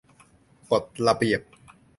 กฎระเบียบ